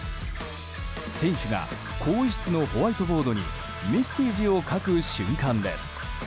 選手が更衣室のホワイトボードにメッセージを書く瞬間です。